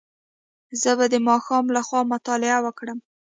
زه به د ماښام له خوا مطالعه وکړم.